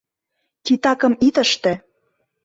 Титакым ит ыште...